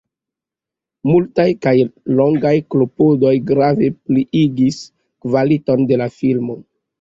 Multaj kaj longaj klopodoj grave pliigis kvaliton de la filmo.